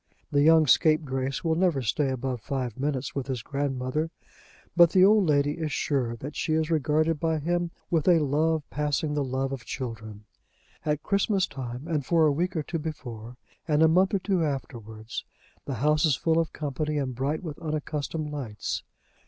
The young scapegrace will never stay above five minutes with his grandmother, but the old lady is sure that she is regarded by him with a love passing the love of children. At Christmas time, and for a week or two before, and a month or two afterwards, the house is full of company and bright with unaccustomed lights.